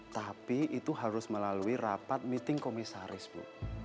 tapi itu harus melalui rapat meeting komisaris bu